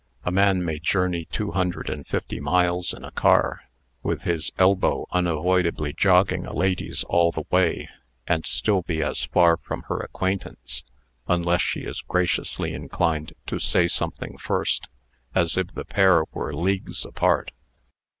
A man may journey two hundred and fifty miles in a car, with his elbow unavoidably jogging a lady's all the way, and still be as far from her acquaintance (unless she is graciously inclined to say something first) as if the pair were leagues apart.